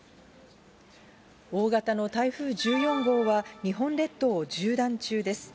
大型の台風１４号は、日本列島を縦断中です。